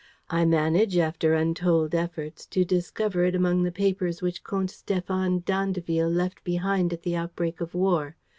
I manage, after untold efforts, to discover it among the papers which Comte Stéphane d'Andeville left behind at the outbreak of war.